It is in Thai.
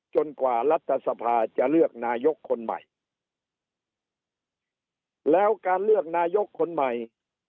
กว่ารัฐสภาจะเลือกนายกคนใหม่แล้วการเลือกนายกคนใหม่